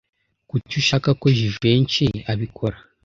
Kuki ushaka ko Jivency abikora?